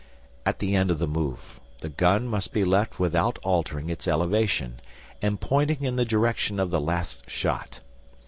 At the end of the move the gun must be left without altering its elevation and pointing in the direction of the last shot.